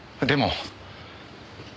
でも。